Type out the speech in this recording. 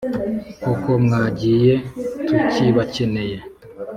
Koko mwagiye tukibakeneye